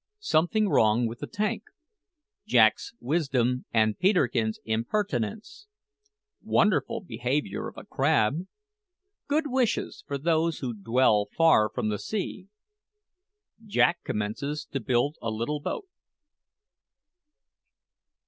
SOMETHING WRONG WITH THE TANK JACK'S WISDOM AND PETERKIN'S IMPERTINENCE WONDERFUL BEHAVIOUR OF A CRAB GOOD WISHES FOR THOSE WHO DWELL FAR FROM THE SEA JACK COMMENCES TO BUILD A LITTLE BOAT.